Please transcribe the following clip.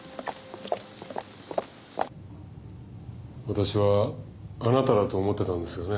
私はあなただと思ってたんですがね。